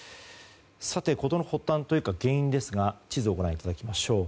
さて、事の発端というか原因ですが地図をご覧いただきましょう。